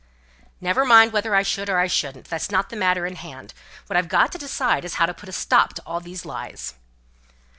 "Never mind whether I should or I shouldn't. That's not the matter in hand. What I've got to decide is, how to put a stop to all these lies."